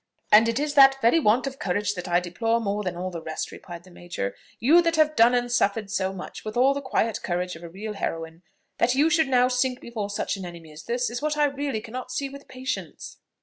"And it is that very want of courage that I deplore more than all the rest," replied the major. "You, that have done and suffered so much, with all the quiet courage of a real heroine that you should now sink before such an enemy as this, is what I really cannot see with patience."